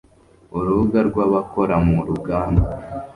urubuga rw’abakora mu ruganda